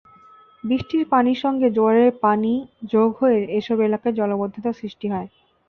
বৃষ্টির পানির সঙ্গে জোয়ারের পানি যোগ হয়ে এসব এলাকায় জলাবদ্ধতা সৃষ্টি হয়।